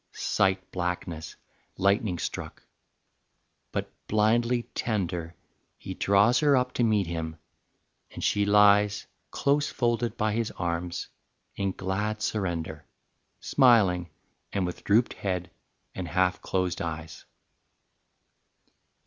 Sight blackness, lightning struck; but blindly tender He draws her up to meet him, and she lies Close folded by his arms in glad surrender, Smiling, and with drooped head and half closed eyes.